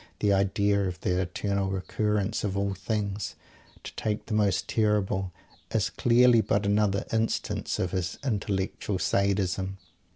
The idea of the "Eternal Recurrence of all things" to take the most terrible is clearly but another instance of his intellectual Sadism.